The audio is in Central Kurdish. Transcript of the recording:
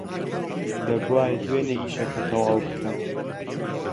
دەبووایە دوێنێ ئیشەکە تەواو بکەم.